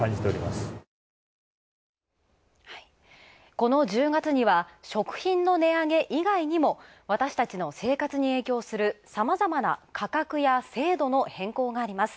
この１０月には食品の値上げ以外にも私たちの生活に影響するさまざまな価格や制度の変更があります。